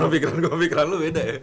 pikiran gue pikiran lu beda ya